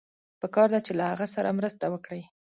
پکار ده چې له هغه سره مرسته وکړئ.